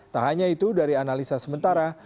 tak hanya itu dari analisa sementara